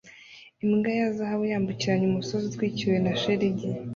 Imbwa ya zahabu yambukiranya umusozi utwikiriwe na shelegi